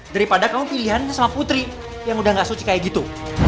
daripada kamu pilihannya sama putri yang udah gak suci kayak gitu